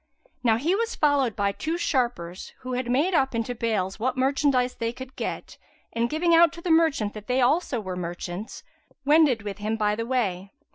Now he was followed by two sharpers, who had made up into bales what merchandise they could get; and, giving out to the merchant that they also were merchants, wended with him by the way.